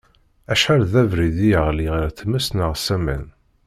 Acḥal d abrid i yeɣli ɣer tmes neɣ s aman.